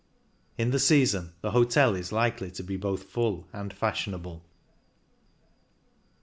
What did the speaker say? In the season the hotel is likely to be both full and fashionable.